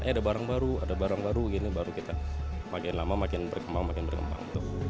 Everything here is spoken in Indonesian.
ada barang baru ada barang baru kita makin lama makin berkembang makin berkembang